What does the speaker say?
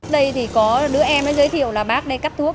đây thì có đứa em đã giới thiệu là bác đây cắt thuốc